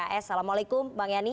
assalamualaikum bang yani